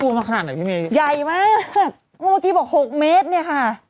เพราะว่าเมื่อกี้บอก๖เมตรเนี่ยค่ะ